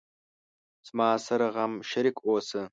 زما سره غم شریک اوسه